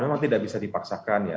memang tidak bisa dipaksakan ya